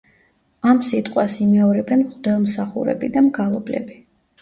ამ სიტყვას იმეორებენ მღვდელმსახურები და მგალობლები.